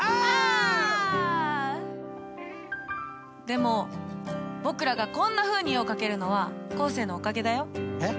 でも僕らがこんなふうに絵を描けるのは昴生のおかげだよ。え？